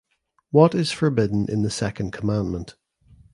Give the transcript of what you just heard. What is forbidden in the second commandment?